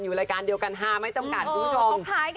อยู่รายการเดียวกันห้ามให้จำกัดคุณชม